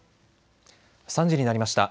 ３時になりました。